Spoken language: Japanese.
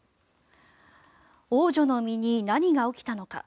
王女の身に何が起きたのか。